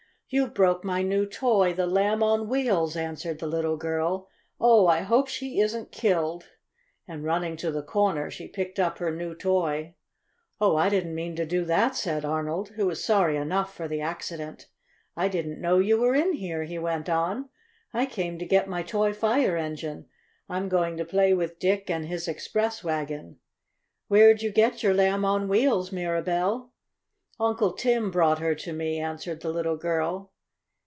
"You broke my new toy, the Lamb on Wheels," answered the little girl. "Oh, I hope she isn't killed!" and running to the corner, she picked up her new toy. "Oh, I didn't mean to do that," said Arnold, who was sorry enough for the accident. "I didn't know you were in here," he went on. "I came to get my toy fire engine. I'm going to play with Dick and his express wagon. Where'd you get your Lamb on Wheels, Mirabell?" "Uncle Tim brought her to me," answered the little girl.